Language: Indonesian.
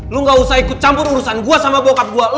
lo gak usah ikut campur urusan gue sama bokap gue